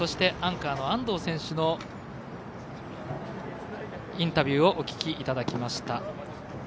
アンカー、安藤選手のインタビューをお聞きいただきました。